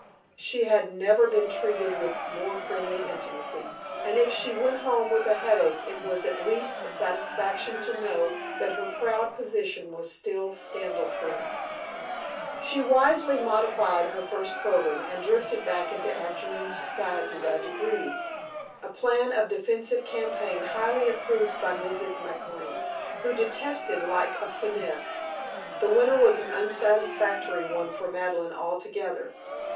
She had never been treated with more friendly intimacy, and if she went home with a headache it was at least a satisfaction to know that her proud position was still scandal proof. She wisely modified her first program and drifted back into afternoon society by degrees; a plan of defensive campaign highly approved by Mrs. McLane, who detested lack of finesse. The winter was an unsatisfactory one for Madeleine altogether.